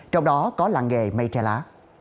trong đó có làng nghề mây tre lá